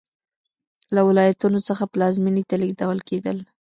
له ولایتونو څخه پلازمېنې ته لېږدول کېدل.